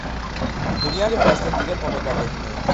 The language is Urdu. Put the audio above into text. دنیا کے فیصلے دیگر قومیں کررہی ہیں۔